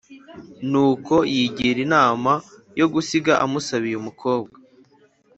Nuko yigira inama yo gusiga amusabiye umukobwa